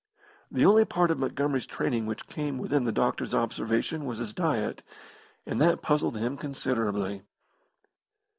The only part of Montgomery's training which came within the doctor's observation was his diet, and that puzzled him considerably.